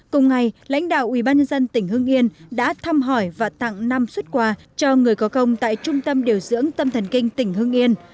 cùng ngày lãnh đạo ubnd tỉnh hưng yên đã thăm hỏi và tặng năm xuất quà cho người có công tại trung tâm điều dưỡng tâm thần kinh tỉnh hương yên